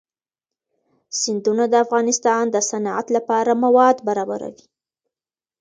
سیندونه د افغانستان د صنعت لپاره مواد برابروي.